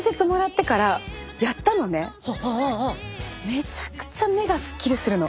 めちゃくちゃ目がスッキリするの。